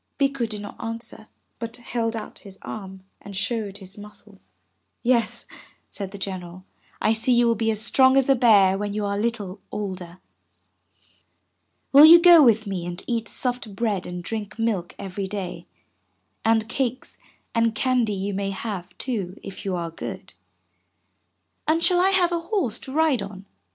'' Bikku did not answer, but held out his arm and showed his muscles. "Yes," said the General, "I see you will be as strong as a bear when you are a little older. Will you go with me and eat soft bread and drink milk every day, and cakes and candy you may have, too, if you are good?" "And shall I have a horse to ride on?"